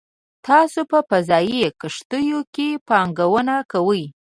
تاسو په فضايي کښتیو کې پانګونه کوئ